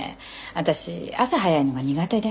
私朝早いのが苦手で。